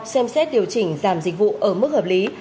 xem xét điều chỉnh giảm dịch vụ ở mức hợp lý